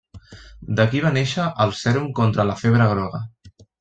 D'aquí va néixer el sèrum contra la febre groga.